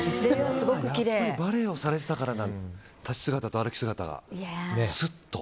バレエをされてたからなんだ立ち姿と歩き姿が。